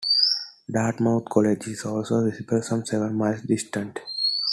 Dartmouth College is also visible some seven miles distant.